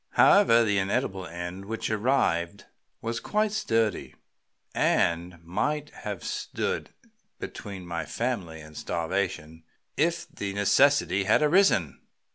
However, the inedible end which arrived was quite sturdy, and might have stood between my family and starvation if the necessity had arisen."